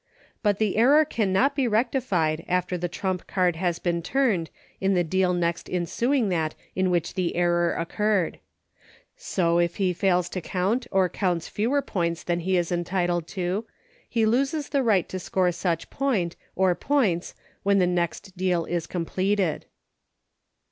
But the error cannot be rectified after the trump card has been turned in the deal next ensuing that in which tke error occurred. So if he fails to count, or counts fewer points than he is entitled to, he loses the right to score such point, or points, when the next deal is completed.